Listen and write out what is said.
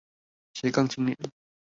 斜槓青年